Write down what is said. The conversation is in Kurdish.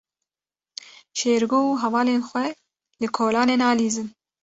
Şêrgo û hevalên xwe li kolanê nalîzin.